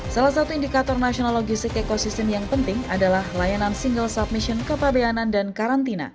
salah satu indikator nasional logistik ekosistem yang penting adalah layanan single submission kepabeanan dan karantina